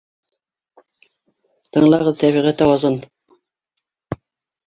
Тыңлағыҙ тәбиғәт ауазын!